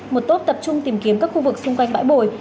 một tốt tập trung tìm kiếm các khu vực xung quanh bãi bồi